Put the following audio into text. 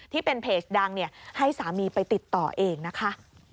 ที่เป็นเพจดังให้สามีไปติดต่อเองนะคะ